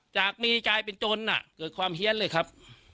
จากมีกลายเป็นจนเกิดความเฮียนเลยครับ